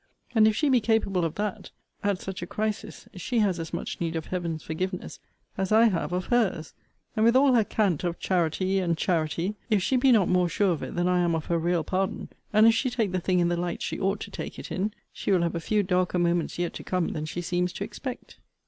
And if she be capable of that, at such a crisis, she has as much need of Heaven's forgiveness, as I have of her's: and, with all her cant of charity and charity, if she be not more sure of it than I am of her real pardon, and if she take the thing in the light she ought to take it in, she will have a few darker moments yet to come than she seems to expect.